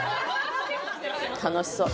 楽しそう。